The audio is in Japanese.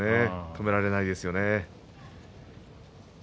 止められないですよね。